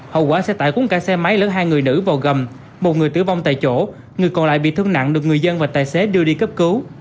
hậu quả xe tải cũng cả xe máy lớn hai người nữ vào gầm một người tử vong tại chỗ người còn lại bị thương nặng được người dân và tài xế đưa đi cấp cứu